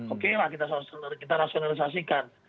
oke lah kita rasionalisasikan